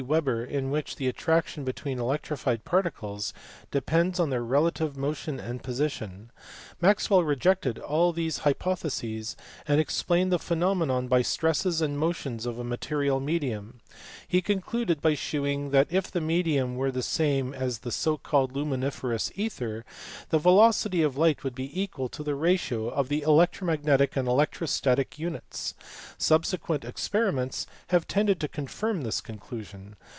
Weber, in which the attraction between electrified particles depends on their relative motion and position. Maxwell rejected all these hypotheses, and explained the phenomena by stresses and motions of a material medium ; he concluded by shewing that if the medium were the same as the so called luminiferous ether, the velocity of light would be equal to the ratio of the electromagnetic and electrostatic units : subsequent ex periments have tended to confirm this conclusion.